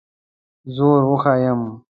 زور وښیم.